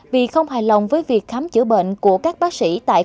vì không hài lòng với việc khám chữa bệnh của các bác sĩ tại